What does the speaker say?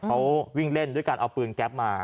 เขาวิ่งเล่นด้วยการเอาปืนแก๊ปมา